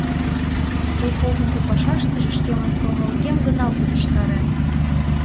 Колхозын ты пашаштыже шкемын сылнылыкем гына вульыштарем.